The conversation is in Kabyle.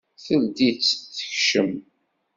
Teldi-tt tekcem.